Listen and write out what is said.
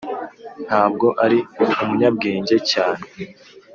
ntabwo ari umunyabwenge cyane.